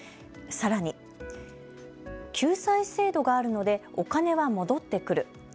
さらに救済制度があるのでお金は戻ってくる。